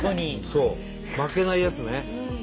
そう負けないやつね。